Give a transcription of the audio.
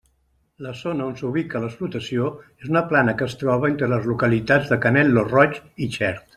La zona on s'ubica l'explotació és una plana que es troba entre les localitats de Canet lo Roig i Xert.